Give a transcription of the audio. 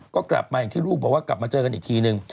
ก็กลับมาอย่างที่ลูกบอกว่ากลับมาเจอกันอีกทีนึง